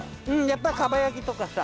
やっぱり蒲焼きとかさ。